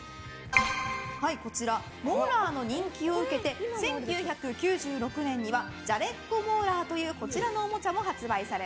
モーラーの人気を受けて１９９６年にはじゃれっこモーラーというこちらのおもちゃを発売。